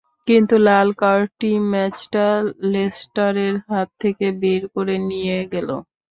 কিন্তু লাল কার্ডটিই ম্যাচটা লেস্টারের হাত থেকে বের করে নিয়ে গেল।